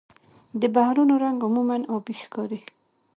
د بحرونو رنګ عموماً آبي ښکاري.